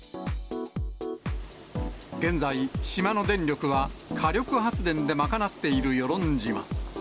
現在、島の電力は、火力発電で賄っている与論島。